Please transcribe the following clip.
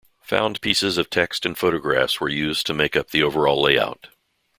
Found pieces of text and photographs were used to make up the overall layout.